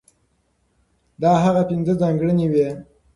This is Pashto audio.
دا هغه پنځه ځانګړنې وې،